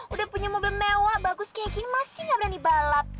udah punya mobil mewah bagus kayak gini masih gak berani balap